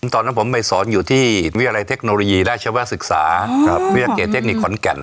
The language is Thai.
ตอนนั้นผมไปสอนอยู่ที่วิทยาลัยเทคโนโลยีราชวศึกษาวิทยาเกตเทคนิคขอนแก่น